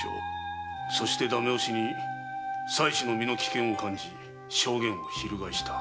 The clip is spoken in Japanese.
そしてダメ押しに妻子の身の危険を感じ証言を翻した。